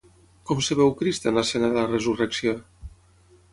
Com es veu Crist en l'escena de la Resurrecció?